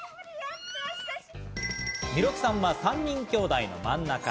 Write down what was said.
弥勒さんは３人きょうだいの真ん中。